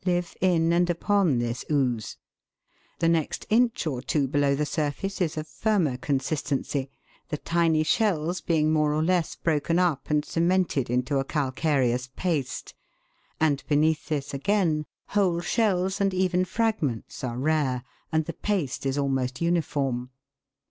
live in and upon this ooze, The next inch or two below the surface is of firmer consis tency, the tiny shells being more or less broken up and cemented into a calcareous paste, and beneath this, again, whole shells and even fragments are rare, and the paste is almost uniform.